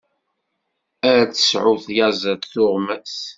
Ar tesɛu tyaziḍt tuɣmas!